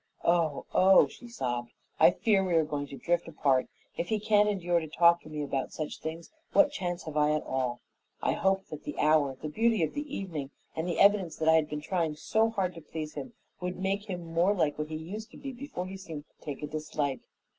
"Oh, oh," she sobbed, "I fear we are going to drift apart! If he can't endure to talk with me about such things, what chance have I at all? I hoped that the hour, the beauty of the evening, and the evidence that I had been trying so hard to please him would make him more like what he used to be before he seemed to take a dislike.